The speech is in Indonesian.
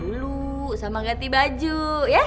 dulu sama ganti baju ya